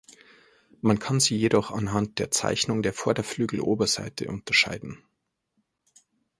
Man kann sie jedoch anhand der Zeichnung der Vorderflügeloberseite unterscheiden.